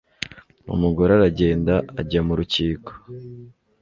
Umugore aragenda ajya mu rukiko